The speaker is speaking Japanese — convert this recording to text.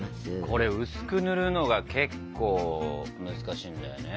これ薄くぬるのが結構難しいんだよね。